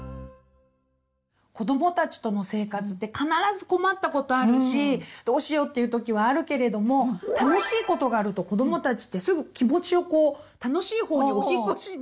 子どもたちとの生活って必ず困ったことあるし「どうしよう」っていう時はあるけれども楽しいことがあると子どもたちってすぐ気持ちをこう楽しいほうに「お引っ越し」できるんだよね。